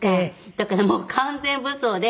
だからもう完全武装で。